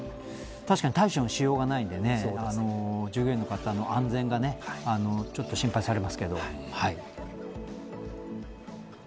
確かに対処のしようがないので従業員の方の安全が心配されますけど。